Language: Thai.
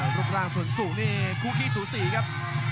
รูปร่างส่วนสูงนี่คู่ขี้สูสีครับ